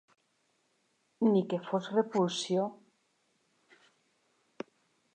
Ni que fos repulsió.